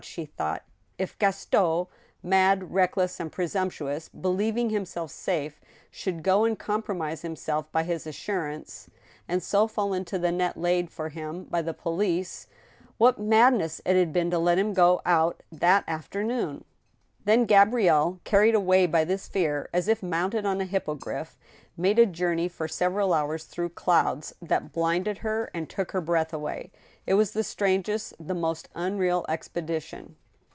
" she thought, " if Gaston, mad, reckless, and pre sumptuous, believing himself safe, should go and compromise him self by his assurance, and so fall into the net laid for him by the police !" What madness it had been to let him go out that after noon! Then Gabrielle, carried away by this fear, as if mounted on a hippogriff, made a journey for several hours through clouds that blinded her and took her breath away. It was the strangest, the most unreal expedition.